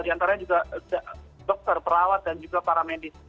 di antaranya juga dokter perawat dan juga para medis